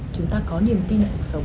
chúng ta có niềm tin vào cuộc sống